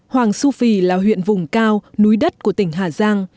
hoàng su phi là huyện vùng cao núi đất của tỉnh hà giang